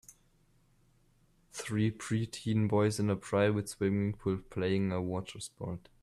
Three preteen boys in a private swimming pool playing a water sport.